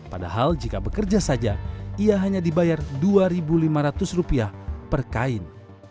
padahal jika bekerja saja ia hanya dibayar rp dua lima ratus per kain